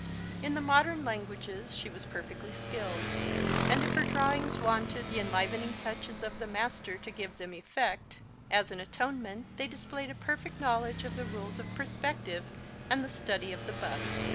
In the modern languages she was perfectly skilled; and if her drawings wanted the enlivening touches of the master to give them effect, as an atonement they displayed a perfect knowledge of the rules of perspective and the study of the bust.